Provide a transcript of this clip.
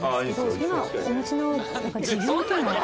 今お持ちの。